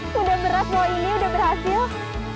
sudah berat bawa ini sudah berhasil